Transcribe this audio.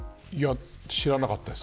知らなかったです